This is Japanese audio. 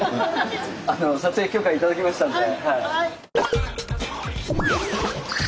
撮影許可頂きましたので。